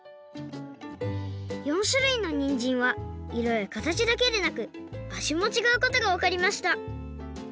４しゅるいのにんじんはいろやかたちだけでなくあじもちがうことがわかりました